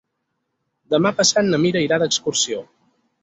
Demà passat na Mira irà d'excursió.